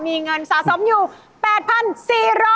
มีเงินสะสมอยู่๘๔๐๐บาท